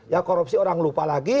ya korupsi orang lupa lagi